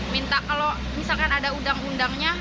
minta kalau misalkan ada undang undangnya